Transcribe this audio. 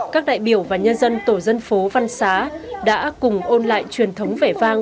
các đại biểu và nhân dân tổ dân phố văn xá đã cùng ôn lại truyền thống vẻ vang